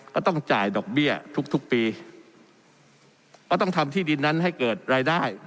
ก็ต้องจ่ายดอกเบี้ยทุกทุกปีก็ต้องทำที่ดินนั้นให้เกิดรายได้